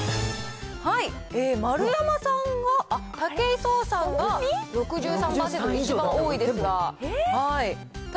丸山さんは、武井壮さんが６３％と、一番多いですが。